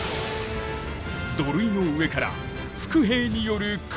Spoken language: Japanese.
土塁の上から伏兵による攻撃が。